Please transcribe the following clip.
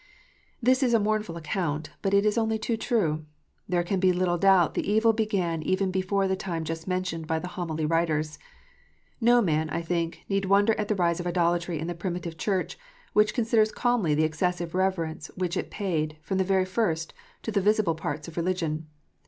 This is a mournful account, but it is only too true. There can be little doubt the evil began even before the time just mentioned by the Homily writers. No man, I think, need wonder at the rise of idolatry in the Primitive Church, who considers calmly the excessive reverence which it paid, from the very first, to the visible parts of religion.